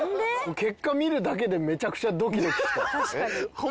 結果見るだけでめちゃくちゃドキドキした。えっ？えー。